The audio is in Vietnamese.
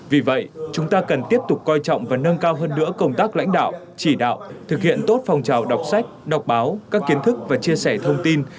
vì vậy chúng ta cần tiếp tục coi trọng và nâng cao hơn nữa công tác lãnh đạo chỉ đạo thực hiện tốt phong trào đọc sách đọc báo các kiến thức và chia sẻ thông tin